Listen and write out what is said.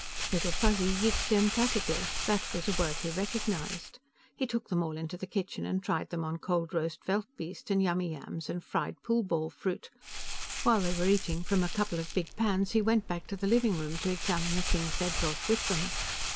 Little Fuzzy yeeked emphatically; that was a word he recognized. He took them all into the kitchen and tried them on cold roast veldbeest and yummiyams and fried pool ball fruit; while they were eating from a couple of big pans, he went back to the living room to examine the things they had brought with them.